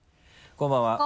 こんばんは。